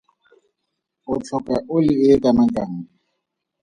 O tlhoka oli e e kanakang?